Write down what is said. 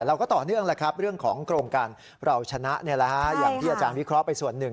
ต่อเนื่องแล้วครับเรื่องของโครงการเราชนะอย่างที่อาจารย์วิเคราะห์ไปส่วนหนึ่ง